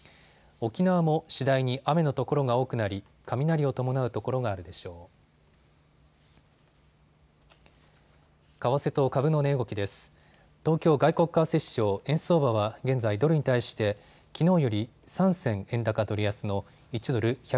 沖縄も次第に雨の所が多くなり、雷を伴う所があるでしょう。